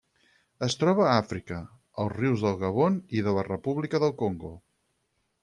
Es troba a Àfrica: els rius del Gabon i de la república del Congo.